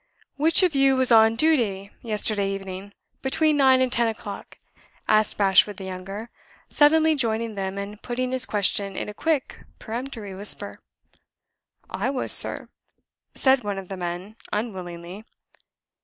"Which of you was on duty yesterday evening, between nine and ten o'clock?" asked Bashwood the younger, suddenly joining them, and putting his question in a quick, peremptory whisper. "I was, sir," said one of the men, unwillingly.